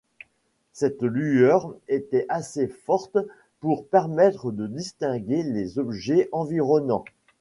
Cette lueur était assez forte pour permettre de distinguer les objets environnants.